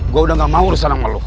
gue udah gak mau urusan sama lo